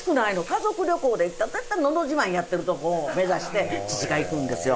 家族旅行で行ったら絶対のど自慢やってるとこを目指して父が行くんですよ。